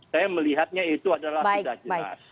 saya melihatnya itu adalah sudah jelas